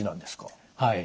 はい。